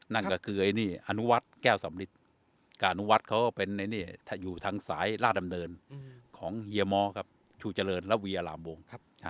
นั่นก็คืออันวัดแก้วสำริทอันวัดเขาก็เป็นอยู่ทางสายราชดำเนินของเฮียมอร์ชูเจริญและวียราบวง